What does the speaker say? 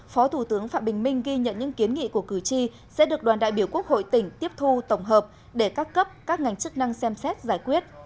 phó thủ tướng phạm bình minh ghi nhận những kiến nghị của cử tri sẽ được đoàn đại biểu quốc hội tỉnh tiếp thu tổng hợp để các cấp các ngành chức năng xem xét giải quyết